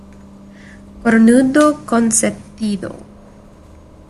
cornudo Consentido.